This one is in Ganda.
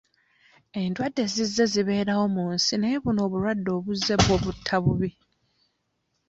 Endwadde zizze zibeerawo mu nsi naye buno obulwadde obuzze bwo butta bubi.